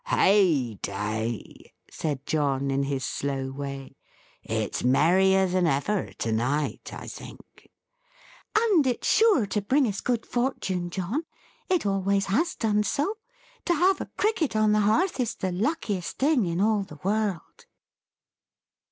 "Heyday!" said John, in his slow way. "It's merrier than ever, to night, I think." "And it's sure to bring us good fortune, John! It always has done so. To have a Cricket on the Hearth, is the luckiest thing in all the world!"